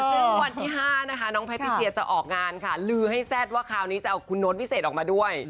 ซึ่งวันที่๕นะคะน้องแพทติเซียจะออกงานค่ะลือให้แซ่ดว่าคราวนี้จะเอาคุณโน้ตวิเศษออกมาด้วย